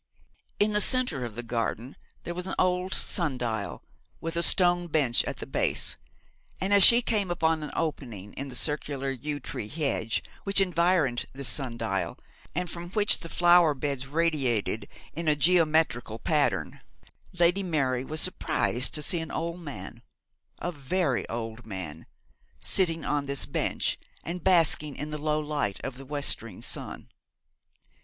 In the centre of the garden there was an old sundial, with a stone bench at the base, and, as she came upon an opening in the circular yew tree hedge which environed this sundial, and from which the flower beds radiated in a geometrical pattern, Lady Mary was surprised to see an old man a very old man sitting on this bench, and basking in the low light of the westering sun.